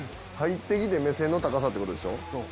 入ってきて、目線の高さってことでしょ？